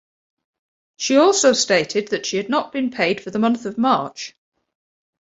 She also stated that she had not been paid for the month of March.